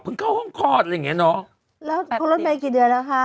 เข้าห้องคลอดอะไรอย่างเงี้เนอะแล้วคุณรถเมย์กี่เดือนแล้วคะ